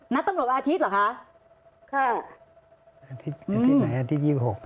นัดตำรวจวันอาทิตย์เหรอคะค่ะอาทิตย์อาทิตย์ไหนอาทิตยี่หก